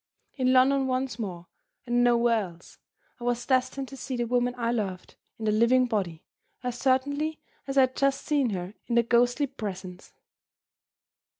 In London once more, and nowhere else, I was destined to see the woman I loved, in the living body, as certainly as I had just seen her in the ghostly presence.